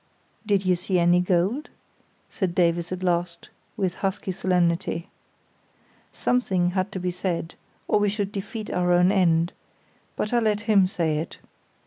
"Did you see any gold?" said Davies at last, with husky solemnity. Something had to be said or we should defeat our own end; but I let him say it.